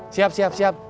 siap siap siap